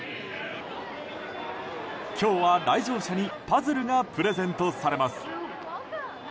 今日は来場者にパズルがプレゼントされます。